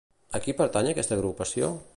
A qui pertany aquesta agrupació?